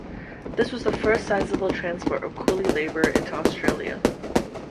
This was the first sizeable transport of coolie labour into Australia.